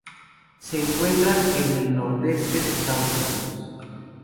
Se encuentra en el nordeste de Estados Unidos.